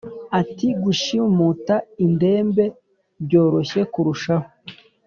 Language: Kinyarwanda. ati"gushimuta indembe byoroshye kurushaho."